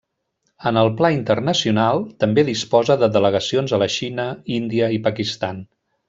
En el pla internacional, també disposa de delegacions a la Xina, Índia i Pakistan.